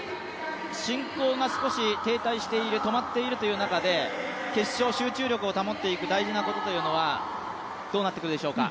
進行が少し止まっている中で決勝で集中力を保っていく大事なことというのは、どうなってくるでしょうか。